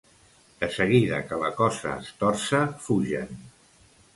De seguida que la cosa es torça, fugen.